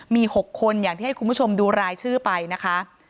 มี๖คนอย่างที่ให้คุณผู้ชมดูรายชื่อไปนะคะ